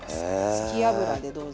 好き油でどうぞ。